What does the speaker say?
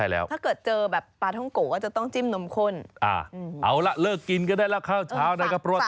แล้วก็เอาปลาท้องโกไปจิ้มนมข้นต่อ